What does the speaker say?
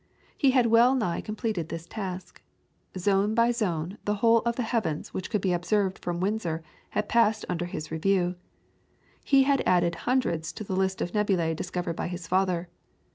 He had well nigh completed this task. Zone by zone the whole of the heavens which could be observed from Windsor had passed under his review. He had added hundreds to the list of nebulae discovered by his father.